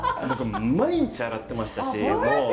毎日洗ってましたし。